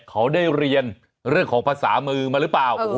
เขาได้เรียนเรื่องของภาษามือมาหรือเปล่า